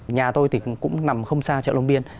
nhà tôi cũng nằm không xa chợ long biên